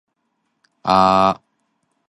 過場動畫